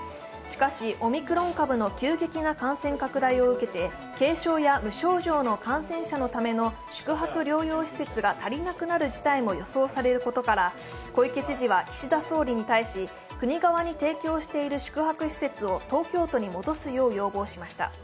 しかし、オミクロン株の急激な感染拡大を受けて軽症や無症状の感染者のための宿泊療養施設が足りなくなる事態も予想されることから小池知事は岸田総理に対し、国側に提供している宿泊施設を東京都に戻すよう要望しました。